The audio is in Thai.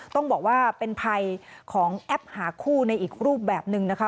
ต้องบอกว่าเป็นภัยของแอปหาคู่ในอีกรูปแบบหนึ่งนะคะ